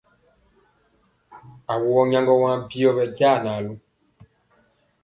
Awɔ nyaŋgɔ waŋ byɔ ɓɛ ja naalu.